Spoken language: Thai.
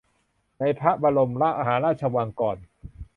ในพระบรมมหาราชวังก่อน